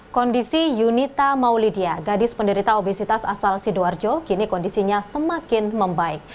kondisi yunita maulidia gadis penderita obesitas asal sidoarjo kini kondisinya semakin membaik